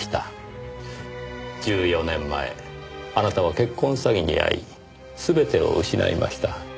１４年前あなたは結婚詐欺に遭い全てを失いました。